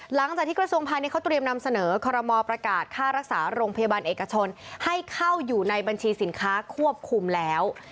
กระทรวงพาณิชเขาเตรียมนำเสนอคอรมอลประกาศค่ารักษาโรงพยาบาลเอกชนให้เข้าอยู่ในบัญชีสินค้าควบคุมแล้ว